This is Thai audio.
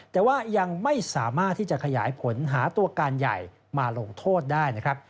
แต่ว่ายังไม่สามารถที่จะขยายผลหาตัวการใหญ่มาลงโทษได้นะครับ